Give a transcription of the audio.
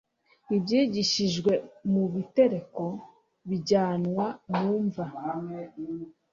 ibyigishijwe mubitereko bijyanwa mu mva